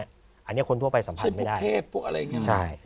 อันนี้คนทั่วไปสัมผัสไม่ได้ชื่นปกเทพพวกอะไรอย่างนี้